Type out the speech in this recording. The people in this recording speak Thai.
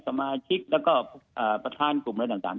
สมาชิกแล้วก็ประธานกลุ่มอะไรต่าง